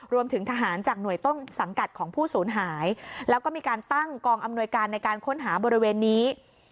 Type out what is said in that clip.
รวมถึงทหารจากหน่วยต้นสังกัดของผู้สูญหายแล้วก็มีการตั้งกองอำนวยการในการค้นหาบริเวณนี้